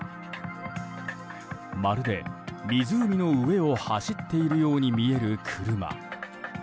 まるで湖の上を走っているように見える車。